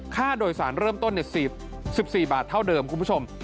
ค่าโดยสารเริ่มต้น๑๔บาทเท่าเดิมคุณผู้ชม